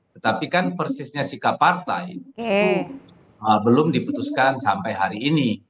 tetapi kan persisnya sikap partai itu belum diputuskan sampai hari ini